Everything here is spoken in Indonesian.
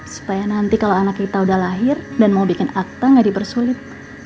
supaya nanti kalau anak kita udah lahir dan mau bikin akta gak dipersulit